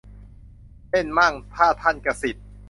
เล่นมั่ง : ถ้าท่านกษิต